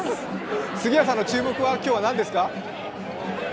杉谷さんの注目は今日は何ですか？